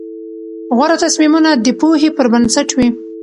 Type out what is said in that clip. غوره تصمیمونه د پوهې پر بنسټ وي.